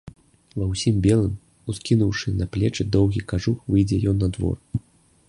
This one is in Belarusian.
Ва ўсім белым, ускінуўшы на плечы доўгі кажух, выйдзе ён на двор.